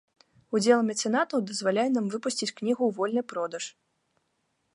Удзел мецэнатаў дазваляе нам выпусціць кнігу ў вольны продаж.